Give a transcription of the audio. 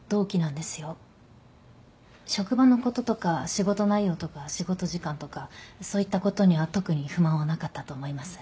職場のこととか仕事内容とか仕事時間とかそういったことには特に不満はなかったと思います。